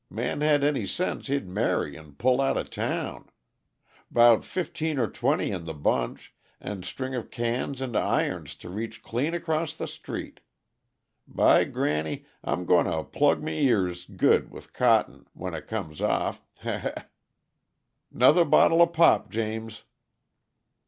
Man had any sense, he'd marry and pull outa town. 'Bout fifteen or twenty in the bunch, and a string of cans and irons to reach clean across the street. By granny, I'm going to plug m' ears good with cotton when it comes off he he! 'Nother bottle of pop, James."